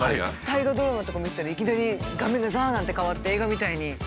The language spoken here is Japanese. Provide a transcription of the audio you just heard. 大河ドラマとか見てたらいきなり画面がザッ！なんて変わって映画みたいに。